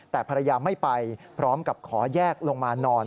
แต่ภรรยาไม่ไปพร้อมกับขอแยกลงมานอน